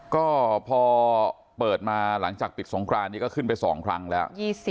ก็พอเปิดมาหลังจากปิดสงครานนี้ก็ขึ้นไป๒ครั้งแล้ว